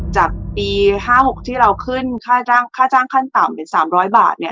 จากปี๕๖ที่เราขึ้นค่าจ้างขั้นต่ำเป็น๓๐๐บาทเนี่ย